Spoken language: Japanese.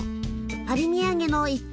パリ土産の逸品